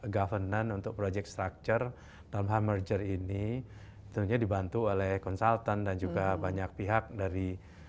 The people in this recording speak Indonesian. governance untuk project structure dalam hal merger ini tentunya dibantu oleh konsultan dan juga banyak pihak dari